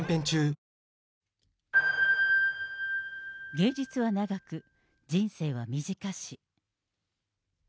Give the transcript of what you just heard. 芸術は長く、人生は短し。